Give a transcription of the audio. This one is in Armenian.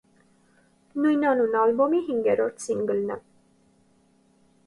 Նույնանուն ալբոմի հինգերորդ սինգլն է։